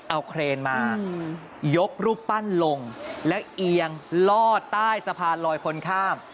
เอาเครนมายกรูปปั้นลงแล้วเอียงลอดใต้สะพานลอยคนข้าม